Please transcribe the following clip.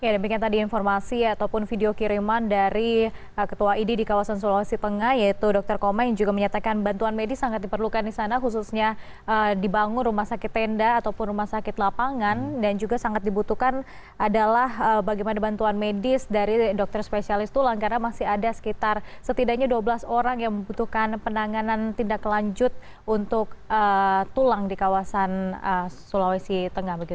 demikian tadi informasi ataupun video kiriman dari ketua idi di kawasan sulawesi tengah yaitu dr koma yang juga menyatakan bantuan medis sangat diperlukan di sana khususnya dibangun rumah sakit tenda ataupun rumah sakit lapangan dan juga sangat dibutuhkan adalah bagaimana bantuan medis dari dokter spesialis tulang karena masih ada sekitar setidaknya dua belas orang yang membutuhkan penanganan tindak lanjut untuk tulang di kawasan sulawesi tengah